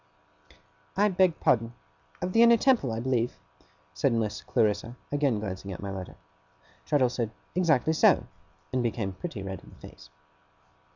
'I beg pardon. Of the Inner Temple, I believe?' said Miss Clarissa, again glancing at my letter. Traddles said 'Exactly so,' and became pretty red in the face.